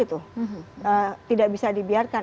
tidak bisa dibiarkan